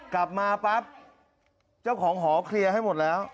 กลับมาปั๊บเจ้าของหอเคลียร์ให้หมดแล้ว